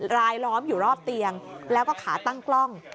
ล้อมอยู่รอบเตียงแล้วก็ขาตั้งกล้อง